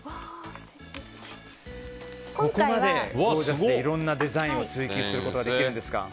ここまでゴージャスでいろいろなデザインを追求することができるんですか。